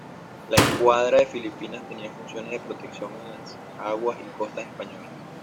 La Escuadra de Filipinas tenía funciones de protección de las aguas y costas españolas.